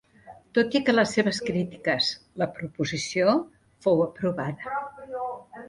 Tot i que les seves crítiques, la proposició fou aprovada.